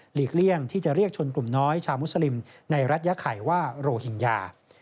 เลี่ยงที่จะเรียกชนกลุ่มน้อยชาวมุสลิมในรัฐยาไข่ว่าโรหิงญา